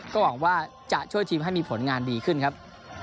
ก็หวังว่าจะช่วยทีมให้มีผลงานดีขึ้นครับ